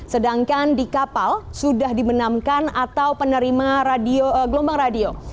sedangkan di kapal sudah dimenamkan atau penerima gelombang radio